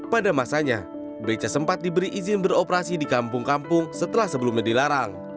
pada masanya beca sempat diberi izin beroperasi di kampung kampung setelah sebelumnya dilarang